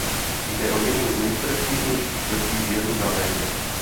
Jde o jednu z nejprestižnějších čtvrtí v Jeruzalémě.